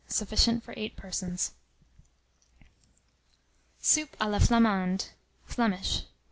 Sufficient for 8 persons. SOUP A LA FLAMANDE (Flemish). I.